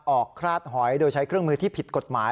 คราดหอยโดยใช้เครื่องมือที่ผิดกฎหมาย